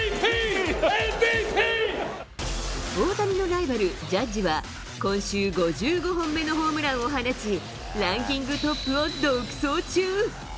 大谷のライバル、ジャッジは、今週５５本目のホームランを放ち、ランキングトップを独走中。